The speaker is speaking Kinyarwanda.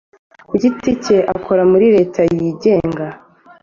ku giti cye akora muri reta ye yigenga